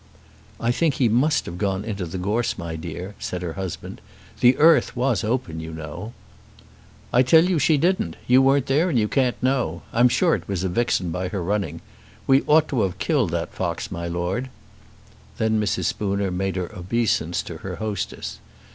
"I think he must have gone into the gorse, my dear," said her husband. "The earth was open, you know." "I tell you she didn't. You weren't there, and you can't know. I'm sure it was a vixen by her running. We ought to have killed that fox, my Lord." Then Mrs. Spooner made her obeisance to her hostess.